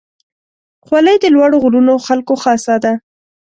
خولۍ د لوړو غرونو خلکو خاصه ده.